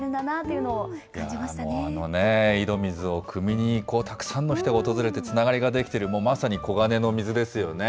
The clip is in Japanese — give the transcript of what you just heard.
いやもう、あのね、井戸水をくみに行こうと、たくさんの人が訪れてつながりが出来てる、もうまさに黄金の水ですよね。